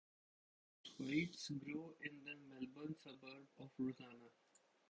Thwaites grew up in the Melbourne suburb of Rosanna.